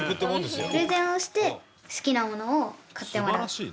プレゼンをして好きなものを買ってもらう。